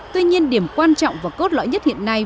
tuy nhiên điểm quan trọng và cốt lõi nhất hiện nay